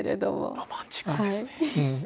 ロマンチックですね。